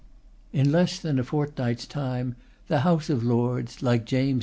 In less than a fortnight's time the House of Lords, like James II.